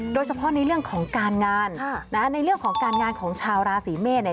โดยเฉพาะในเรื่องของการงานในเรื่องของการงานของชาวราศีเมษเนี่ย